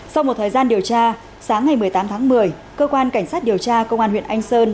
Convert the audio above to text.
sau một thời gian điều tra sáng ngày một mươi tám tháng một mươi cơ quan cảnh sát điều tra công an huyện anh sơn